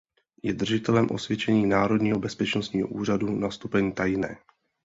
Je držitelem osvědčení Národního bezpečnostního úřadu na stupeň „tajné“.